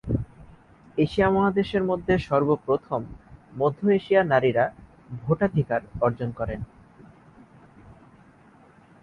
Asia মহাদেশের মধ্যে সর্বপ্রথম মধ্য এশিয়ার নারীরা ভোটাধিকার অর্জন করেন।